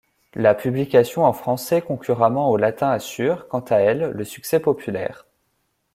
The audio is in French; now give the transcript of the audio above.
La publication en français concurremment au latin assure, quant à elle, le succès populaire.